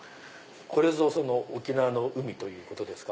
これぞ沖縄の海ってことですか？